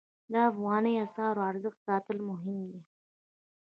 د افغانۍ اسعارو ارزښت ساتل مهم دي